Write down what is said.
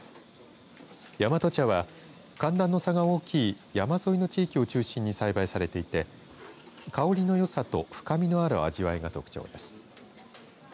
大和茶は寒暖の差が大きい山沿いの地域を中心に栽培されていて香りのよさと深みのある味わいが特徴です。